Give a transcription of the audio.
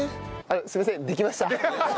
すいませんできました。